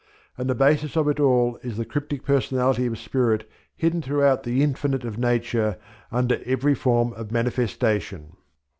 And the basis of it all is the cryptic personality of spirit hidden throughout the infinite of Nature under every form of manifestation.